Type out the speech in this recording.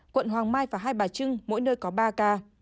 quận hoàng mai và hai bà trưng mỗi nơi có ba ca